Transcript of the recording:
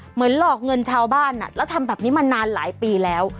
หลอกเงินชาวบ้านแล้วทำแบบนี้มานานหลายปีแล้ว